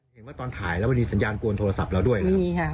เห็นว่าตอนถ่ายแล้วมันมีสัญญาณกวนโทรศัพท์เราด้วยนะครับ